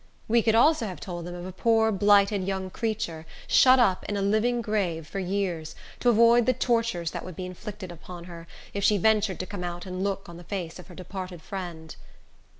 We could also have told them of a poor, blighted young creature, shut up in a living grave for years, to avoid the tortures that would be inflicted on her, if she ventured to come out and look on the face of her departed friend.